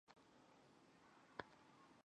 他是杜夫王之子。